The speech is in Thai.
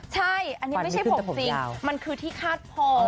ใช่อันนี้ไม่ใช่ผมจริงมันคือที่คาดพอง